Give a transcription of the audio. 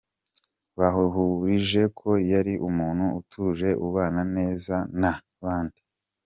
rw bahurije ko yari umuntu utuje ubana neza n’abandi.